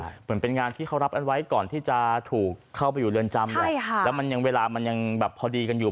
เหมือนเป็นงานที่เขารับกันไว้ก่อนที่จะถูกเข้าไปอยู่เรือนจำแหละใช่ค่ะแล้วมันยังเวลามันยังแบบพอดีกันอยู่